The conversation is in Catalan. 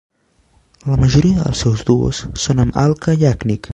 La majoria dels seus duos són amb Alka Yagnik.